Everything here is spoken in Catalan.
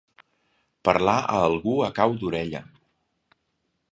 Parlar a algú a cau d'orella.